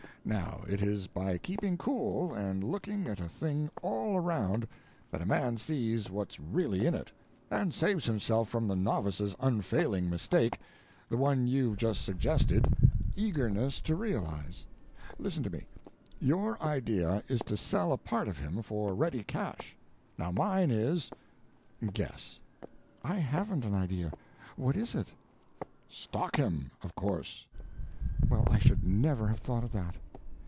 Now it is by keeping cool, and looking at a thing all around, that a man sees what's really in it, and saves himself from the novice's unfailing mistake—the one you've just suggested—eagerness to realize. Listen to me. Your idea is to sell a part of him for ready cash. Now mine is—guess." "I haven't an idea. What is it?" "Stock him—of course." "Well, I should never have thought of that."